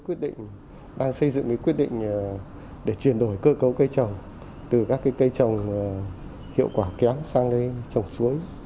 chúng ta đang xây dựng quyết định để truyền đổi cơ cấu cây trồng từ các cây trồng hiệu quả kéo sang trồng chuối